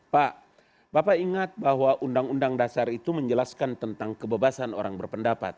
pak bapak ingat bahwa undang undang dasar itu menjelaskan tentang kebebasan orang berpendapat